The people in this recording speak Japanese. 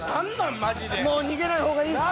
もう逃げない方がいいっす。